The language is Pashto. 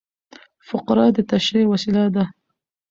فقره د تشریح وسیله ده.